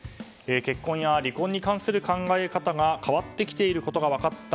結婚や離婚に関する考え方が変わってきていることが分かった